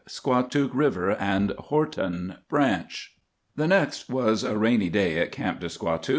SQUATOOK RIVER AND HORTON BRANCH. The next was a rainy day at Camp de Squatook.